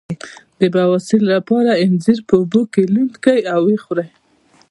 د بواسیر لپاره انځر په اوبو کې لمد کړئ او وخورئ